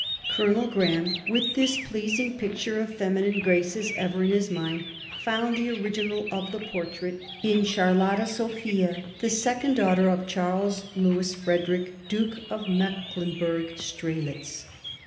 Colonel Graeme, with this pleasing picture of feminine graces ever in his mind, found the original of the portrait in Charlotte Sophia, the second daughter of Charles Lewis Frederick, Duke of Mecklenburg Strelitz.